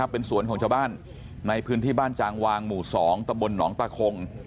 เป็นสวนของชาวบ้านในพื้นที่บ้านจางวางหมู่๒ตะบลหนองตาคง